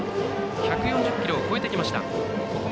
１４０キロを超えてきた森谷。